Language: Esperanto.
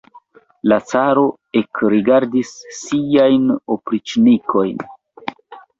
La caro ekrigardis siajn opriĉnikojn.